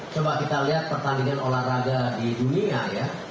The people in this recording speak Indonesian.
coba kita lihat pertandingan olahraga di dunia ya